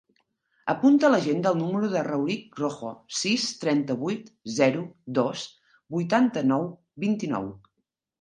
Apunta a l'agenda el número del Rauric Rojo: sis, trenta-vuit, zero, dos, vuitanta-nou, vint-i-nou.